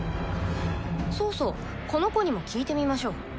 そうそう、この子にも聞いてみましょう。